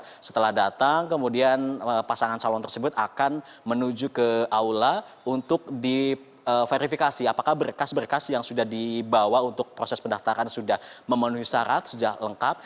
dan jika sudah datang kemudian pasangan calon tersebut akan menuju ke aula untuk diverifikasi apakah berkas berkas yang sudah dibawa untuk proses pendaftaran sudah memenuhi syarat sudah lengkap